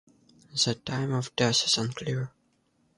The time of death is unclear.